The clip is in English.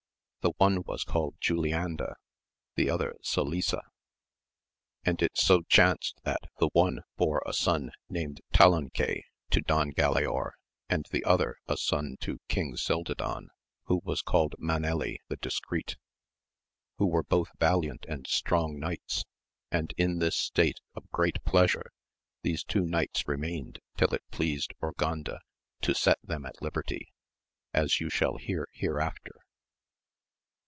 The one was called Julianda, the other Solisa : and it so chanced that the one bore a son named Talanque, to Don Galaor, and the other a son to King Cildadan, who was called Maneli the discreet, who were both valiant and strong knights, and in this state of great pleasure these two knights remained till it pleased Urganda to set them at liberty, as you shall hear here after.